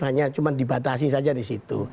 hanya cuman dibatasi saja disitu